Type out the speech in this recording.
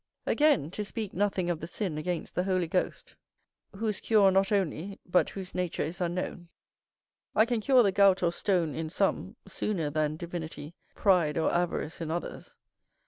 Again, to speak nothing of the sin against the Holy Ghost, whose cure not only, but whose nature is unknown, I can cure the gout or stone in some, sooner than divinity, pride, or avarice in others.